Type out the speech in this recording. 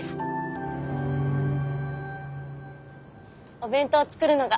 お弁当作るのが。